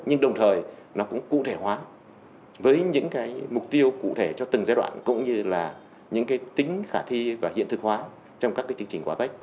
nhưng đồng thời nó cũng cụ thể hóa với những mục tiêu cụ thể cho từng giai đoạn cũng như là những tính khả thi và hiện thực hóa trong các chương trình của apec